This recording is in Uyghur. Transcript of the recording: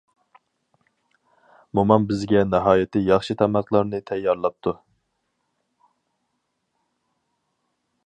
مومام بىزگە ناھايىتى ياخشى تاماقلارنى تەييارلاپتۇ.